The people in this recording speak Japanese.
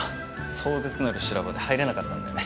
壮絶なる修羅場で入れなかったんだよね。